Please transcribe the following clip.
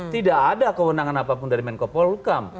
tidak ada kewenangan apapun dari menko polkam